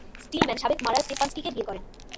স্টিলম্যান সাবেক মারা স্টেফানস্কিকে বিয়ে করেন।